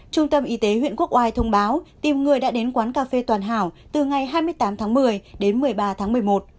trung tâm y tế huyện quốc oai thông báo tìm người đã đến quán cà phê toàn hảo từ ngày hai mươi tám tháng một mươi đến một mươi ba tháng một mươi một